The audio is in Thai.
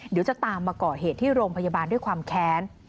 เดี๋ยวจะตามมาก่อเหตุที่โรงพยาบาลด้วยความแค้น